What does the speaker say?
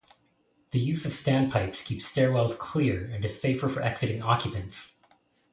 The use of standpipes keeps stairwells clear and is safer for exiting occupants.